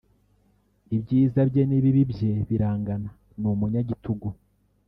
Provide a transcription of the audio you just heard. Ibyiza bye n’ibibi bye birangana ni umunyagitugu